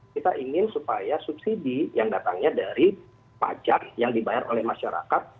kita ingin supaya subsidi yang datangnya dari pajak yang dibayar oleh masyarakat